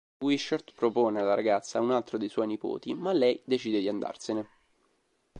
Wishart propone alla ragazza un altro dei suoi nipoti ma lei decide di andarsene.